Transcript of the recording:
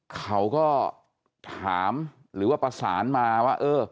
เขาก็ถามหรือว่าประสานมาว่าเออ